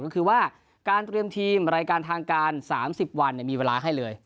ก็คือว่าการเตรียมทีมรายการทางการ๓๐วันมีเวลาให้เลย